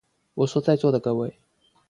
我說在座的各位